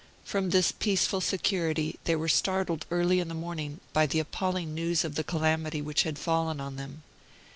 From this peaceful security they were startled early in the morning by the appalling news of the calamity which had fallen on them.